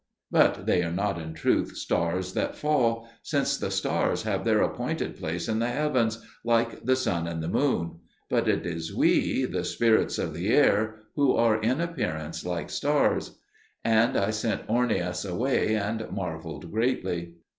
But they are not in truth stars that fall, since the stars have their appointed place in the heavens, like the sun and the moon; but it is we, the spirits of the air, who are in appearance like stars." And I sent Ornias away, and marvelled greatly.